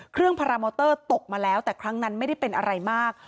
พารามอเตอร์ตกมาแล้วแต่ครั้งนั้นไม่ได้เป็นอะไรมาก